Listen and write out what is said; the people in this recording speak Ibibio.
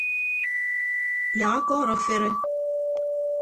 Yak akọọrọ afere.